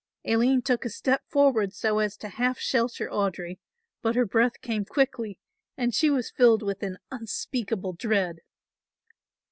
Aline took a step forward so as half to shelter Audry, but her breath came quickly and she was filled with an unspeakable dread.